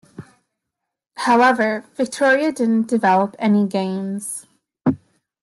However Victoria didn't develop any games.